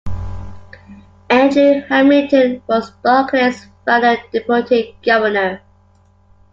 Andrew Hamilton was Barclay's final deputy governor.